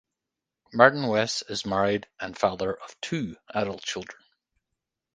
Martin Weiss is married and father of two adult children.